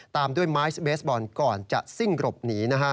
ตามด้วยไม้เบสบอลก่อนจะซิ่งหลบหนี